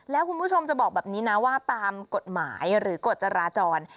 แล้วคุณผู้ชมจะบอกแบบนี้นะว่าตามกฎหมายหรือกฎจราจร